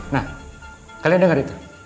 nah kalian denger itu